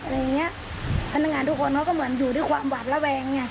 พนักงานทุกคนเขาก็อยู่ด้วยความหวาดระแวง